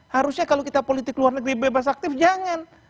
harusnya kalau kita politik luar negeri bebas aktif jangan